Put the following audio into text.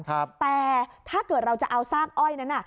แต่ถ้าเกิดเราจะเอาซากอ้อยนั้นน่ะ